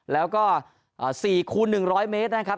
แล้วก็๔คูณ๑๐๐เมตรนะครับ